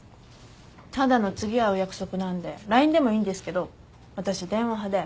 ただの次会う約束なんでＬＩＮＥでもいいんですけど私電話派で。